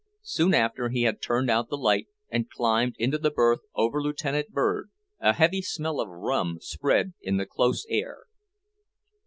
Soon after he had turned out the light and climbed into the berth over Lieutenant Bird, a heavy smell of rum spread in the close air.